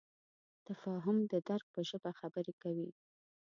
تفاهم د درک په ژبه خبرې کوي.